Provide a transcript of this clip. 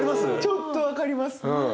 ちょっと分かります。